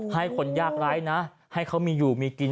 ให้คนยากไร้นะให้เขามีอยู่มีกิน